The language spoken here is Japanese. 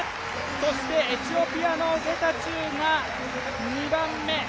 そしてエチオピアのゲタチューが２番目。